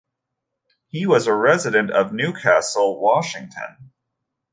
He was a resident of Newcastle, Washington.